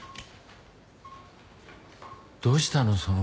どうしたの？